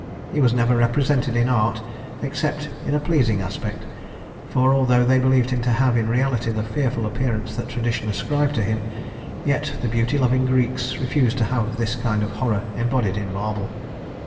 He was never represented in art except in a pleasing aspect, for although they believed him to have in reality the fearful appearance that tradition ascribed to him, yet the beauty loving Greeks refused to have this kind of horror embodied in marble.